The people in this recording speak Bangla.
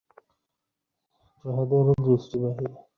যাহাদের দৃষ্টি বাহিরে, তাহারা আন্তর সত্যের সন্ধান পায় না।